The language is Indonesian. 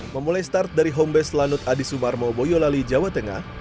memulai start dari homebase lanut adi sumarmo boyolali jawa tengah